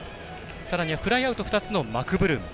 さらにはフライアウト２つのマクブルーム。